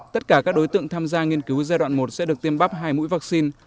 tất cả các đối tượng tham gia nghiên cứu giai đoạn một sẽ được tiêm bắp hai mũi vaccine